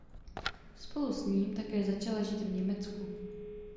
Spolu s ním také začala žít v Německu.